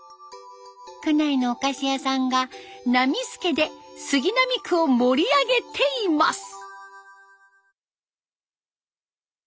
区内のお菓子屋さんがなみすけで杉並区を盛り上げています。